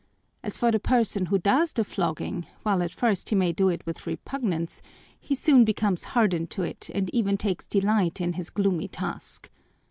As for the person who does the flogging, while at first he may do it with repugnance, he soon becomes hardened to it and even takes delight in his gloomy task.